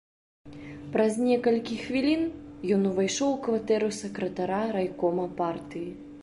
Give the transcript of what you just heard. Праз некалькі хвілін ён увайшоў у кватэру сакратара райкома партыі.